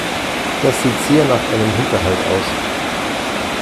Das sieht sehr nach einem Hinterhalt aus.